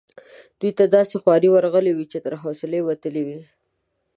دوی ته داسي خوارې ورغلي وې چې تر حوصلې وتلې وي.